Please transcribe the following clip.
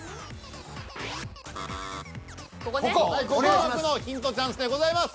もう１つのヒントチャンスでございます。